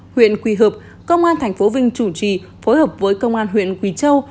huyện quỳ hợp công an thành phố vinh chủ trì phối hợp với công an huyện quỳ châu